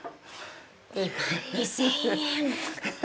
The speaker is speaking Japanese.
２万２０００円。